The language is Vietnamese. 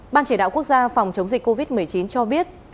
ban chỉ đạo quốc gia phòng chống dịch covid một mươi chín cho biết